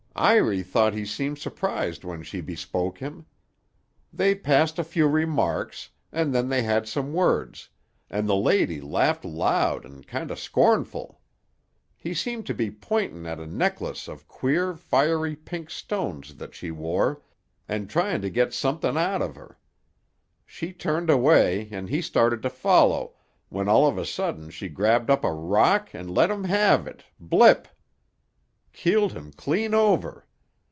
Iry thought he seemed su'prised when she bespoke him. They passed a few remarks, an' then they had some words, an' the lady laughed loud an' kinder scornful. He seemed to be pointin' at a necklace of queer, fiery pink stones thet she wore, and tryin' to get somethin' out of her. She turned away, an' he started to follow, when all of a sudden she grabbed up a rock an' let him have it—blip! Keeled him clean over.